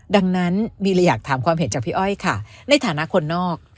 ดังนั้นบีเลยอยากถามความเห็นจากพี่อ้อยค่ะในฐานะคนนอก